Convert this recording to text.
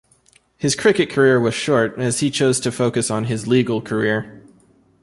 His cricket career was short as he chose to focus on his legal career.